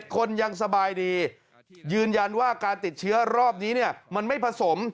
คนยังสบายดียืนยันว่าการติดเชื้อรอบนี้มันไม่ผสม